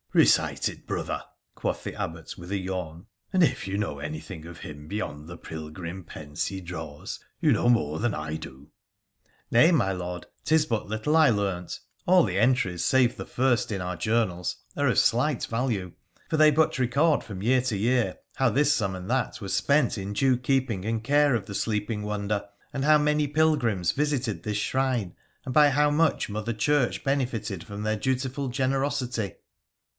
' Eecite it, brother,' quoth the Abbot with a yawn, ' and if you know anything of him beyond the pilgrim pence he draws you know more than I do.' ' Nay, my Lord, 'tis but little I learnt. All the entries save the first in our journals are of slight value, for they but record from year to year how this sum and that were spent in due keeping and care of the sleeping wonder, and how many pilgrims visited this shrine, and by how much, Mother Church benefited by their dutiful generosity.'